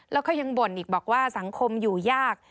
แล้วก็ยังบ่นอีกบอกว่าสังคมอยู่ยาก